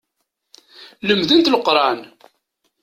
Lemdent Leqran.